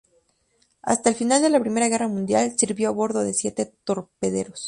Hasta el final de la Primera Guerra Mundial sirvió a bordo de siete torpederos.